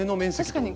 確かに。